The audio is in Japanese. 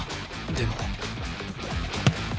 でも。